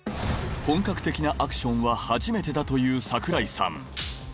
本格的なアクションは初めてだという櫻井さん